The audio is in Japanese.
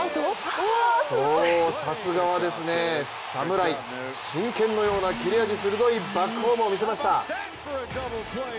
さすがは侍、真剣のような切れ味鋭いバックホームを見せました。